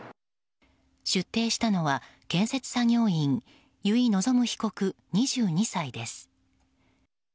出廷したのは建設作業員由井希被告、２２歳です。